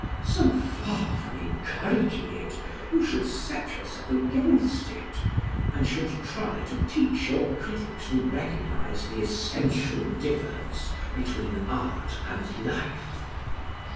So far from encouraging it, you should set yourself against it, and should try to teach your critics to recognise the essential difference between art and life.